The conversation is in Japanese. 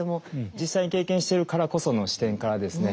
実際に経験してるからこその視点からですね